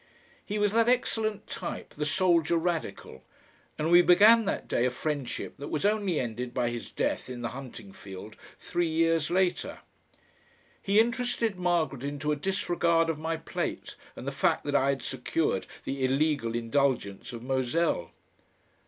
He was that excellent type, the soldier radical, and we began that day a friendship that was only ended by his death in the hunting field three years later. He interested Margaret into a disregard of my plate and the fact that I had secured the illegal indulgence of Moselle.